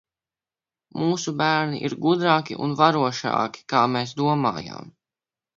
Mūsu bērni ir gudrāki un varošāki, kā mēs domājam!